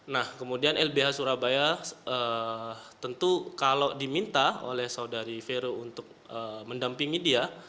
nah kemudian lbh surabaya tentu kalau diminta oleh saudari vero untuk mendampingi dia